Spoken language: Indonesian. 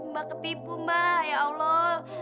mbak ketipu mbak ya allah